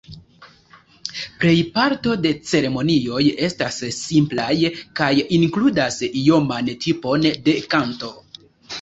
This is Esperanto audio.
Plej parto de ceremonioj estas simplaj kaj inkludas ioman tipon de kanto.